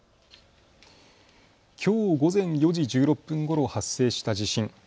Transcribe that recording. きょう午前４時１６分ごろ発生した地震。